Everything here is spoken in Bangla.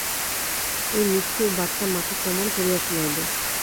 এই নিষ্ঠুর বার্তা মাকে কেমন করিয়া শুনাইবে।